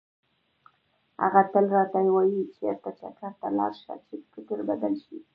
هغه تل راته وایي چېرته چکر ته لاړ شه چې فکر بدل شي.